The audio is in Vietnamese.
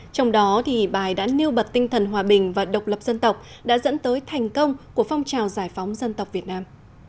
trong đó bài đã nêu bật tinh thần hòa bình và độc lập dân tộc đã dẫn tới thành công của phong trào giải phóng dân tộc việt nam